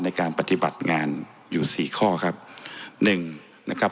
ในการปฏิบัติงานอยู่๔ข้อครับ